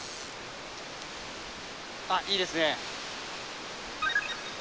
あっいいですね。